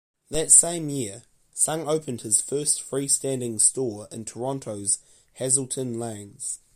That same year, Sung opened his first freestanding store in Toronto's Hazelton Lanes.